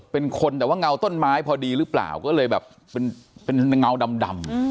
เป็นคนแต่ว่าเงาต้นไม้พอดีหรือเปล่าก็เลยแบบเป็นเงาดำ